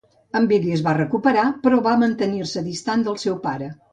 En Billy es va recuperar però va mantenir-se distant del seu pare.